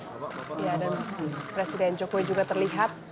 ya dan presiden jokowi juga terlihat